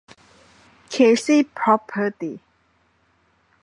เค ซี พร็อพเพอร์ตี้